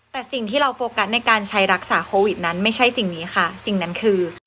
แต่สิ่งที่เราโฟกัสในการใช้รักษาโควิดนั้นไม่ใช่สิ่งนี้ค่ะสิ่งนั้นคือ